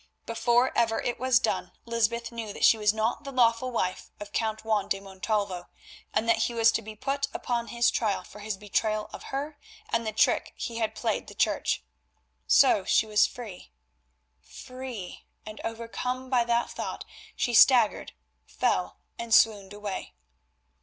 Before ever it was done Lysbeth knew that she was not the lawful wife of Count Juan de Montalvo, and that he was to be put upon his trial for his betrayal of her and the trick he had played the Church. So she was free—free, and overcome by that thought she staggered, fell, and swooned away.